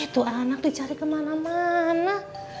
itu anak dicari kemana mana